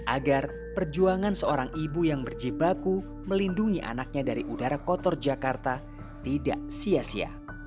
agar perjuangan seorang ibu yang berjibaku melindungi anaknya dari udara kotor jakarta tidak sia sia